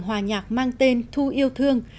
học viện âm nhạc mang tên thu yêu thương